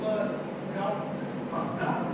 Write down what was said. あっランプ？